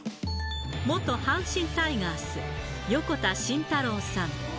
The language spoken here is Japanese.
元阪神タイガース、横田慎太郎さん。